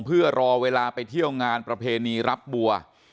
เพื่อรอเวลาไปเที่ยวงานประเพณีรับบัว